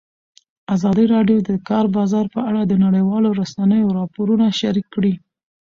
ازادي راډیو د د کار بازار په اړه د نړیوالو رسنیو راپورونه شریک کړي.